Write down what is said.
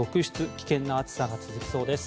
危険な暑さが続きそうです。